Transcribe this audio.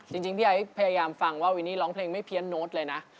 จริงพี่ไอ้พยายามฟังว่าวินนี่ร้องเพลงไม่เพี้ยนโน้ตเลยนะ